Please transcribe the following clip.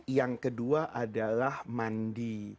yang kedua adalah mandi